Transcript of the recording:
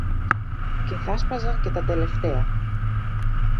και θα 'σπαζαν και τα τελευταία